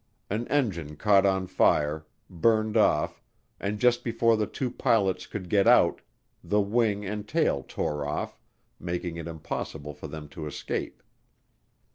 An engine caught on fire, burned off, and just before the two pilots could get out, the wing and tail tore off, making it impossible for them to escape.